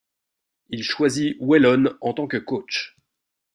Il choisit Waylon en tant que coach.